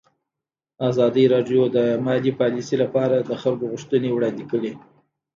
ازادي راډیو د مالي پالیسي لپاره د خلکو غوښتنې وړاندې کړي.